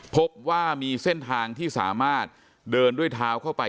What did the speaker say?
พบว่ามีเส้นทางที่สามารถเดินด้วยเท้าเข้าไป